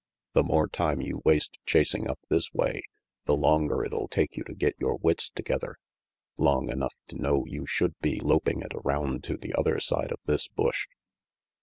"The more time you waste chasing up this way, the longer it'll take you to get your wits together long enough to know you should be loping it around to the other side of this bush.